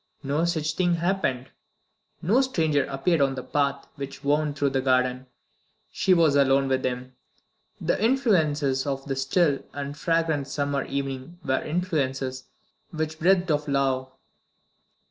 No such thing happened; no stranger appeared on the path which wound through the garden. She was alone with him. The influences of the still and fragrant summer evening were influences which breathed of love.